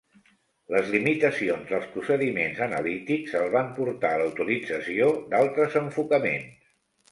Les limitacions dels procediments analítics el van portar a la utilització d'altres enfocaments.